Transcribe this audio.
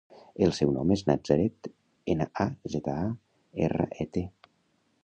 El meu nom és Nazaret: ena, a, zeta, a, erra, e, te.